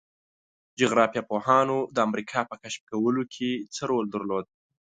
جغرافیه پوهانو د امریکا په کشف کولو کې څه رول درلود؟